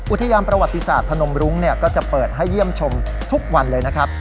ยามประวัติศาสตร์พนมรุ้งก็จะเปิดให้เยี่ยมชมทุกวันเลยนะครับ